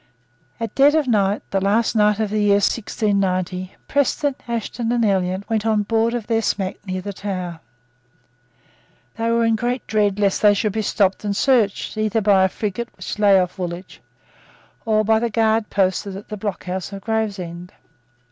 At dead of night, the last night of the year 1690, Preston, Ashton and Elliot went on board of their smack near the Tower. They were in great dread lest they should be stopped and searched, either by a frigate which lay off Woolwich, or by the guard posted at the blockhouse of Gravesend.